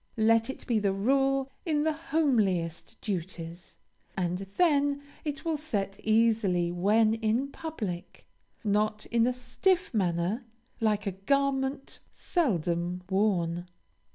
Let it be the rule in the homeliest duties, and then it will set easily when in public, not in a stiff manner, like a garment seldom worn.